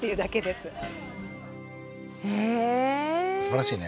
すばらしいね。